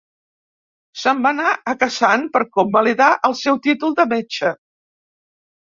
Se'n va anar a Kazan per convalidar el seu títol de metge.